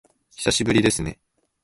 久しぶりですね